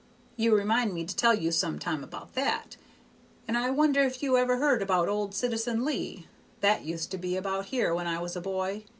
You remind me to tell you some time about that; and I wonder if you ever heard about old Citizen Leigh, that used to be about here when I was a boy.